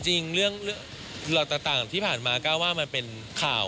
จริงเรื่องต่างที่ผ่านมาก้าวว่ามันเป็นข่าว